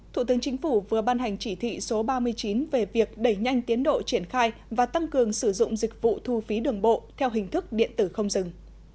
thủ tướng chính phủ vừa ban hành chỉ thị số ba mươi chín về việc đẩy nhanh tiến độ triển khai và tăng cường sử dụng dịch vụ thu phí đường bộ theo hình thức điện tử không dừng